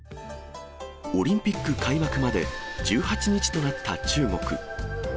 オリンピック開幕まで１８日となった中国。